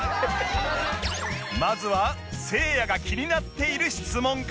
まずはせいやが気になっている質問から